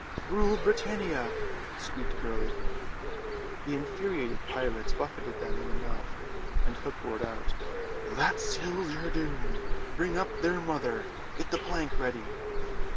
"Rule Britannia!" squeaked Curly. The infuriated pirates buffeted them in the mouth; and Hook roared out, "That seals your doom. Bring up their mother. Get the plank ready."